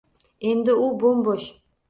Endi u boʻm-boʻsh